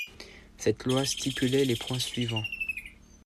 Cette loi stipulait les points suivants.